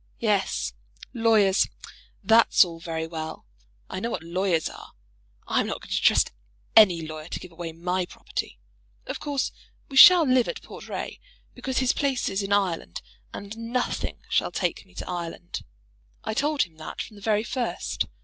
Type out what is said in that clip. "Yes; lawyers! That's all very well. I know what lawyers are. I'm not going to trust any lawyer to give away my property. Of course we shall live at Portray, because his place is in Ireland; and nothing shall take me to Ireland. I told him that from the very first.